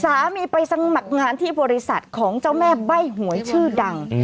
สามีไปสมัครงานที่บริษัทของเจ้าแม่ใบ้หวยชื่อดัง